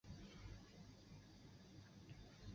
张种是梁太子中庶子临海郡太守张略之子。